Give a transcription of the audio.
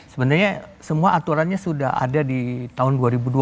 sebenarnya semua aturannya sudah ada di tahun dua ribu dua puluh